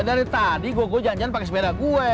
dari tadi gua gua janjian pakai sepeda gua